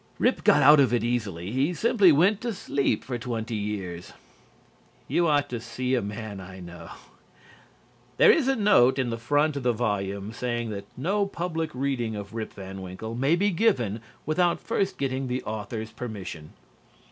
Rip got out of it easily. He simply went to sleep for twenty years. You ought to see a man I know. There is a note in the front of the volume saying that no public reading of "Rip Van Winkle" may be given without first getting the author's permission.